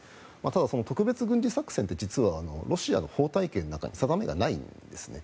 ただ、特別軍事作戦って実はロシアの法体系の中に定めがないんですね。